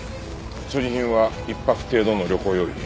所持品は１泊程度の旅行用品。